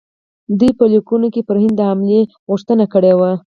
دوی په لیکونو کې پر هند د حملې غوښتنه کړې وه.